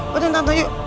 baca tante yuk